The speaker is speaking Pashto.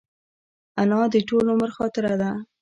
انا د ټول عمر خاطره ده